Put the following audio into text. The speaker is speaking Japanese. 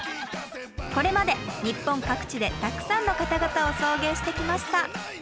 これまで日本各地でたくさんの方々を送迎してきました。